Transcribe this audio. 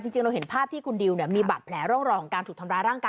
จริงเราเห็นภาพที่คุณดิวมีบาดแผลร่องรอยของการถูกทำร้ายร่างกาย